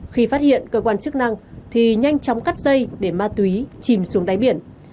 khi phát hiện cơ quan chức năng thì nhanh chóng cắt dây để ma túy chìm xuống đáy biển